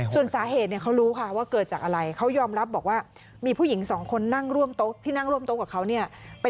ส่วนสาเหตุเขารู้ว่าเกิดจากอะไร